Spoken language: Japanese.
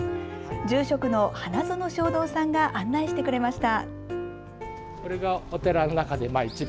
住職の花園昌道さんが案内してくれました。